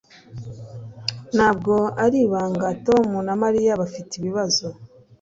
Ntabwo ari ibanga Tom na Mariya bafite ibibazo.